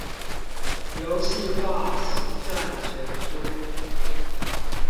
遊戲化實戰全書